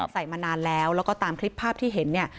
มานานแล้วแล้วก็ตามคลิปภาพที่เห็นเนี่ย